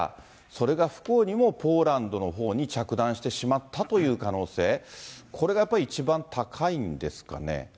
それが不幸にもポーランドのほうに着弾してしまったという可能性、これがやっぱり一番高いんですかね。